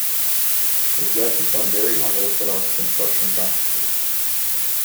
This led to some very unorthodox construction practices.